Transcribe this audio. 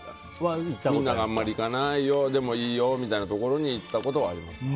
みんながあんまり行かないようなところに行ったことはありますね。